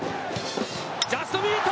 ジャストミート！